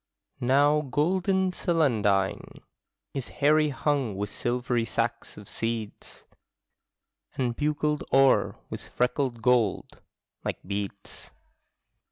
Now golden celandine Is hairy hung with silvery sacks of seeds. And bugled o'er with freckled gold, like beads.